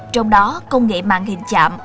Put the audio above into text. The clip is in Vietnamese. trong đó công nghệ mạng hình chạm